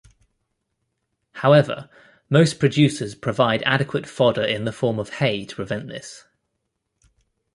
However most producers provide adequate fodder in the form of hay to prevent this.